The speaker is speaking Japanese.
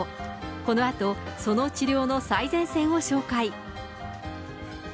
このあとその治療の最前線を紹介。